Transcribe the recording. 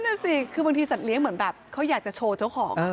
นั่นสิคือบางทีสัตเลี้ยงเหมือนแบบเขาอยากจะโชว์เจ้าของ